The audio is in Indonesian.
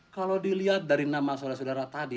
kalau dilihat dari nama sodara sodara tadi